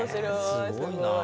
えすごいなあ。